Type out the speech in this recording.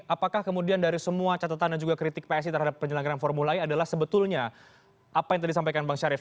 apakah kemudian dari semua catatan dan juga kritik psi terhadap penyelenggaran formula e adalah sebetulnya apa yang tadi disampaikan bang syarif